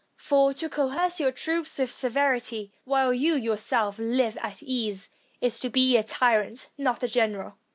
For to coerce your troops with severity while you yourself live at ease, is to be a tyrant, not a general.